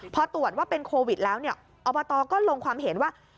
พอตรวจว่าเป็นโควิดแล้วเนี่ยอบตก็ลงความเห็นว่า